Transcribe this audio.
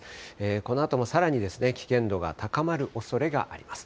このあとも、さらに危険度が高まるおそれがあります。